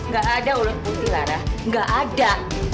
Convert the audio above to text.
gak ada ular putih lara gak ada